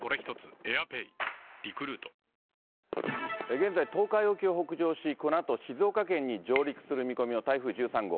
現在、東海沖を北上し、このあと静岡県に上陸する見込みの台風１３号。